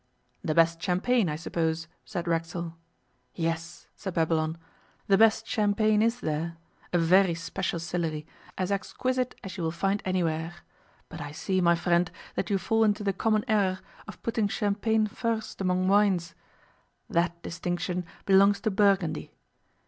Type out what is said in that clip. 'The best champagne, I suppose?' said Racksole. 'Yes,' said Babylon, 'the best champagne is there a very special Sillery, as exquisite as you will find anywhere. But I see, my friend, that you fall into the common error of putting champagne first among wines. That distinction belongs to Burgundy.